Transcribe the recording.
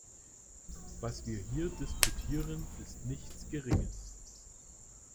Was wir hier diskutieren, ist nichts Geringes.